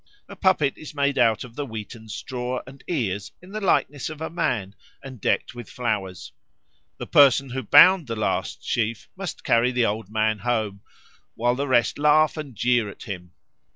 A puppet is made out of the wheaten straw and ears in the likeness of a man and decked with flowers. The person who bound the last sheaf must carry the Old Man home, while the rest laugh and jeer at him.